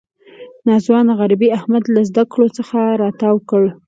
ناځوانه غریبۍ احمد له زده کړو څخه را تاو کړ.